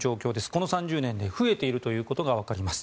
この３０年で増えているということが分かります。